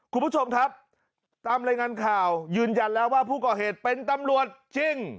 คุณผู้ชมครับตามรายงานข่าวยืนยันแล้วว่าผู้ก่อเหตุเป็นตำรวจจริง